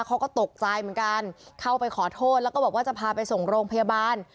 เขาก็ตกใจเหมือนกันเข้าไปขอโทษแล้วก็บอกว่าจะพาไปส่งโรงพยาบาล